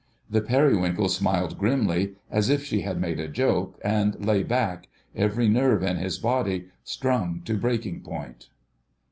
The Periwinkle smiled grimly, as if she had made a joke, and lay back, every nerve in his body strung to breaking point.